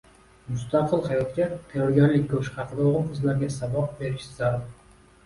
Mustaqil hayotga tayyorgarlik ko‘rish haqida o’g’il-qizga saboq berish zarur.